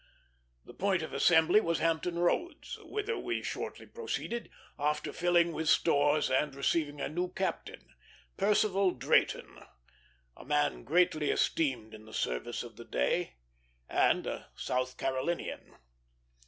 The point of assembly was Hampton Roads, whither we shortly proceeded, after filling with stores and receiving a new captain, Percival Drayton, a man greatly esteemed in the service of the day, and a South Carolinian.